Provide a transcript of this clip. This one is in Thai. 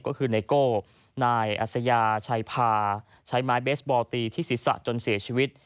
ก็คือไนโก้นายอัศยาชัยพาใช้ไม้เบสบอลตีที่ศีรษะจนเสียชีวิต